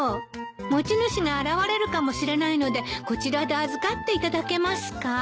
持ち主が現れるかもしれないのでこちらで預かっていただけますか？